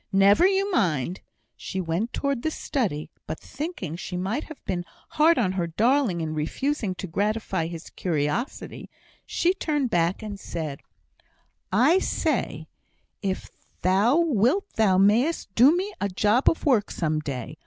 "Never you mind!" She went towards the study, but thinking she might have been hard on her darling in refusing to gratify his curiosity, she turned back, and said: "I say if thou wilt, thou mayst do me a job of work some day.